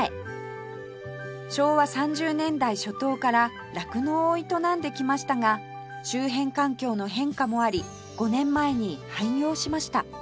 昭和３０年代初頭から酪農を営んできましたが周辺環境の変化もあり５年前に廃業しました